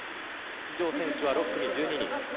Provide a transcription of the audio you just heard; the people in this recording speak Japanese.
出場選手は６組１２人。